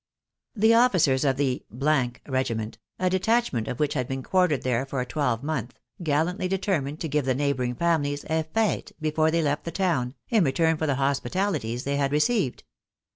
The officers of the regiment, a detachment of which had been quartered there for a twelvemonth, gallantly deter mined to give the neighbouring families a fete before they left the town, in return for the hospitalities they had received.